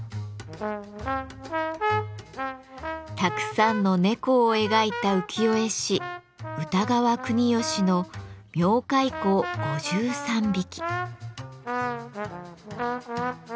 たくさんの猫を描いた浮世絵師歌川国芳の「猫飼好五拾三疋」。